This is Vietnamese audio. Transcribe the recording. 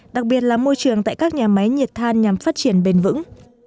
đặc biệt là môi trường tại các nhà máy nhiệt than nhằm phát triển bền vững